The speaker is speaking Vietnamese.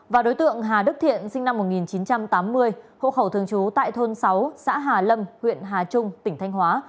và đối tượng hà đức thiện sinh năm một nghìn chín trăm tám mươi hộ khẩu thường trú tại thôn sáu xã hà lâm huyện hà trung tỉnh thanh hóa